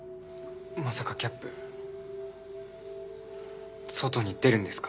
まさかキャップ外に出るんですか？